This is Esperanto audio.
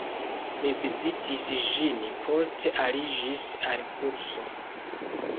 Mi vizitis ĝin, poste aliĝis al kurso.